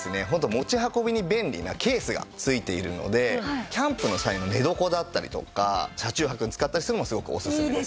持ち運びに便利なケースがついているのでキャンプの際の寝床だったりとか車中泊に使ったりしてもすごくおすすめですね。